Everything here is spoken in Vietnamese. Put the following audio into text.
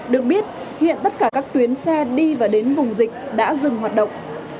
được biết hiện tất cả các tuyến xe đi và đến vùng dịch đã dừng hoạt động